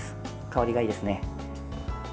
香りがいいですね。